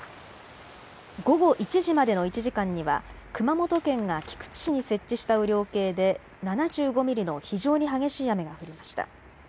午後１時までの１時間には熊本県が菊池市に設置した雨量計で７５ミリの非常に激しい雨が降りました。